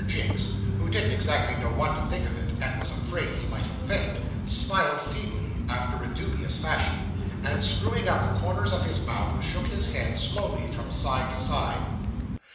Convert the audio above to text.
Jinks, who didn't exactly know what to think of it, and was afraid he might offend, smiled feebly, after a dubious fashion, and, screwing up the corners of his mouth, shook his head slowly from side to side.